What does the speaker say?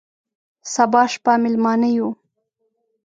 سبا شپه مېلمانه یو،